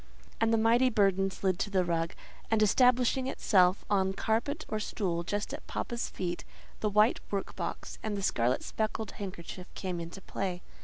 And the mighty burden slid to the rug, and establishing itself on carpet or stool just at "papa's" feet, the white work box and the scarlet speckled handkerchief came into play.